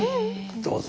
どうぞ。